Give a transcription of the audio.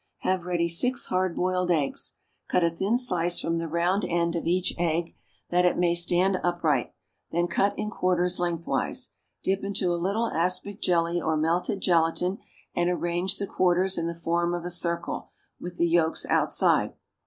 Have ready six hard boiled eggs; cut a thin slice from the round end of each egg, that it may stand upright, then cut in quarters lengthwise. Dip into a little aspic jelly or melted gelatine and arrange the quarters in the form of a circle, with the yolks outside.